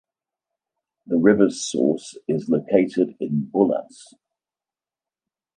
The river's source is located in Bullas.